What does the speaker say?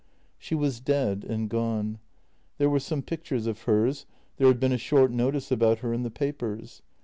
She was dead and gone. There were some pictures of hers ... there had been a short notice about her in the papers.